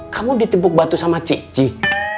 kamu ditipu batu sama cicih